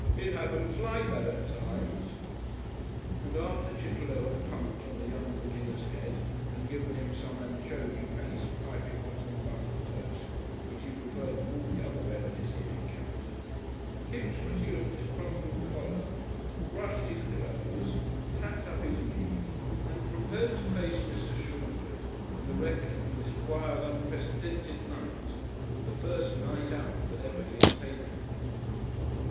It happens like that at times." And after Chitterlow had pumped on the young beginner's head and given him some anchovy paste piping hot on buttered toast, which he preferred to all the other remedies he had encountered, Kipps resumed his crumpled collar, brushed his clothes, tacked up his knee, and prepared to face Mr. Shalford and the reckoning for this wild, unprecedented night, the first "night out" that ever he had taken.